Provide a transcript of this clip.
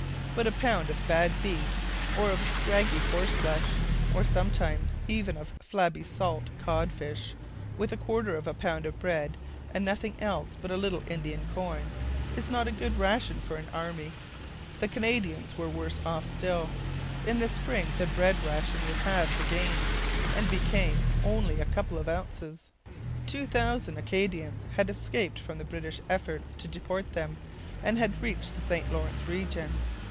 But a pound of bad beef, or of scraggy horse flesh, or some times even of flabby salt cod fish, with a quarter of a pound of bread, and nothing else but a little Indian corn, is not a good ration for an army. The Canadians were worse off still. In the spring the bread ration was halved again, and became only a couple of ounces. Two thousand Acadians had escaped from the British efforts to deport them, and had reached the St Lawrence region.